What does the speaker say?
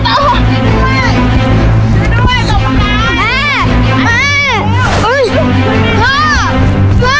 โดยเจ้าคืน